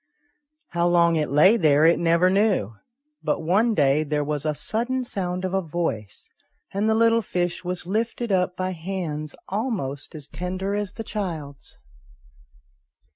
How long it lay there it never knew, but one day there was a sudden sound of a voice, and the little fish was lifted up by hands almost as tender as the child's.